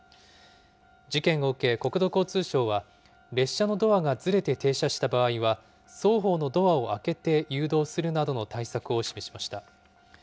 事件を受け、国土交通省は、列車のドアがずれて停車した場合は、双方のドアを開けて誘導するなどの対策を示しました。